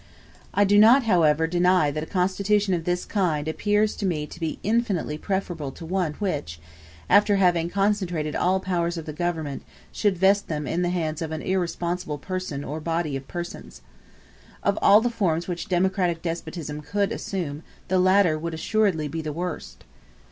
I do not however deny that a constitution of this kind appears to me to be infinitely preferable to one, which, after having concentrated all the powers of government, should vest them in the hands of an irresponsible person or body of persons. Of all the forms which democratic despotism could assume, the latter would assuredly be the worst.